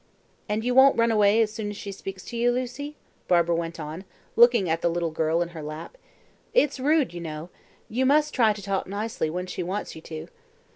"And you won't run away as soon as she speaks to you, Lucy?" Barbara went on, looking at the little girl in her lap. "It's rude, you know. You must try to talk nicely when she wants you to."